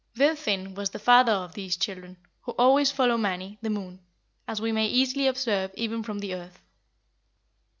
Vidfinn was the father of these children, who always follow Mani (the moon), as we may easily observe even from the earth."